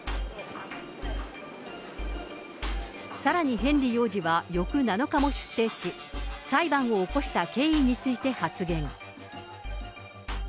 さらにヘンリー王子は翌７日も出廷し、裁判を起こした経緯について発言。